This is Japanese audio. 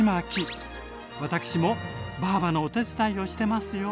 私もばぁばのお手伝いをしてますよ。